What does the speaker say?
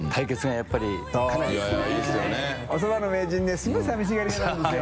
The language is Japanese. すごい寂しがり屋なんですよ。